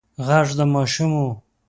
غږ د ماشوم و.